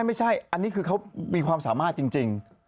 ไม่ใช่อันนี้คือเขามีความสามารถจริง